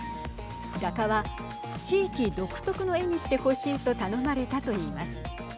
画家は地域独特の絵にしてほしいと頼まれたといいます。